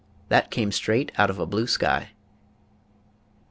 That came straight out of a blue sky.